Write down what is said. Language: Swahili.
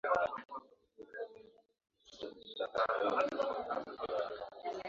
na mtapeli tu anatambaa kwa marafiki zake ambaye